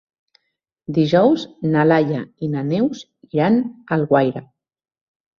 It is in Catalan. Dijous na Laia i na Neus iran a Alguaire.